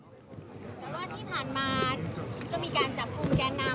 แต่ว่าที่ผ่านมาก็มีการจับกลุ่มแกนนำ